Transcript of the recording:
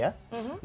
dan ada kemenangan